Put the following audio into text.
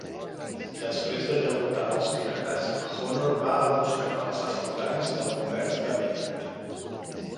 Després de derrotar els pirates, Honor va a buscar els assaltants del comerç d'Havenite.